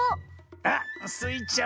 あっスイちゃん